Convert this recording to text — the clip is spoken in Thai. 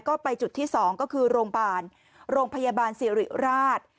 ก็ไปจุดที่สองก็คือโรงพยาบาลศรีริราช